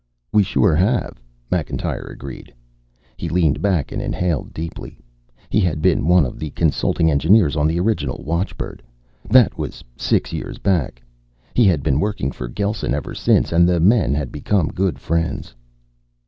"We sure have," Macintyre agreed. He leaned back and inhaled deeply. He had been one of the consulting engineers on the original watchbird. That was six years back. He had been working for Gelsen ever since, and the men had become good friends.